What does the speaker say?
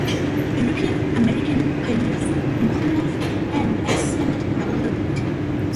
European American pioneers improved and expanded the older route.